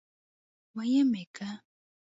ويم که.